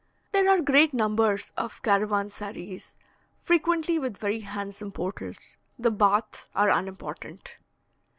There are great numbers of caravansaries, frequently with very handsome portals. The baths are unimportant.